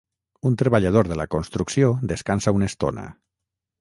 Un treballador de la construcció descansa una estona.